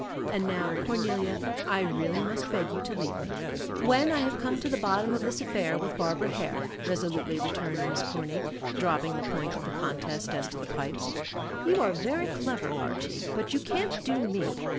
"And now, Cornelia, I really must beg you to leave me." "When I have come to the bottom of this affair with Barbara Hare," resolutely returned Miss Corny, dropping the point of the contest as to the pipes. "You are very clever, Archie, but you can't do me.